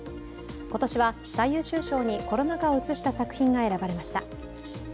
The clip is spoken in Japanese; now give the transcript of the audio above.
今年は最優秀賞にコロナ禍を映した作品が選ばれました。